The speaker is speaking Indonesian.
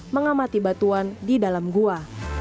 mengamati batuan di dalam gua